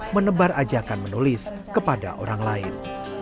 menebar ajakan menulis kepada orang lain